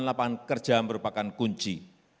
lapangan kerja merupakan kunci